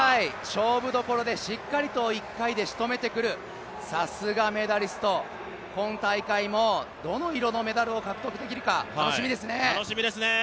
勝負どころでしっかりと１回でしとめてくる、さすがメダリスト、今大会もどの色のメダルを獲得できるか楽しみですね。